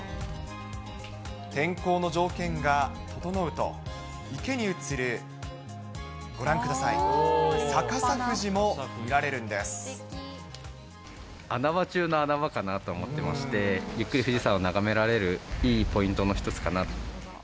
天候の条件が整うと、池に映る、ご覧ください、穴場中の穴場かなと思ってまして、ゆっくり富士山を眺められる、いいポイントの一つかな。